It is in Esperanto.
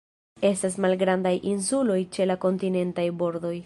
Estas malgrandaj insuloj ĉe la kontinentaj bordoj.